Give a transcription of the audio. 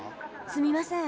すみません。